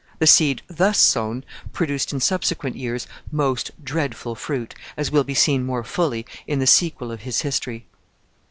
The seed thus sown produced in subsequent years most dreadful fruit, as will be seen more fully in the sequel of his history.